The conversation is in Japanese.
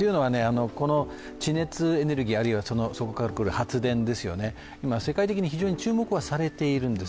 この地熱エネルギー、あるいはそこから来る発電、今、世界的に非常に注目はされているんですよ。